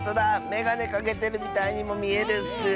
めがねかけてるみたいにもみえるッス。